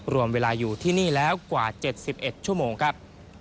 รวมเวลาอยู่ที่นี่แล้วกว่า๗๑ชั่วโมงครับ